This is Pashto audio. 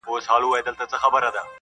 کندهار ته تر دېرشو وارو ډېر تللی یم